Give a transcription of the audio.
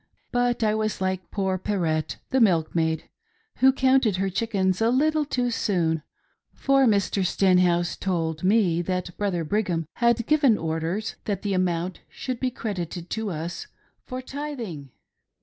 But I was like poor Per rette, the milkmaid, who counted her chickens a little too soon ; for Mr. Stenhouse told me that Brother Brigham had given orders that the amount should be credited to us for tithittg